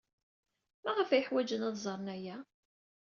Maɣef ay ḥwajen ad ẓren aya?